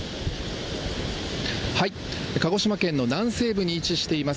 鹿児島県の南西部に位置しています